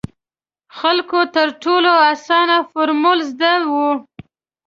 خلکو تر ټولو اسانه فارمول زده وو.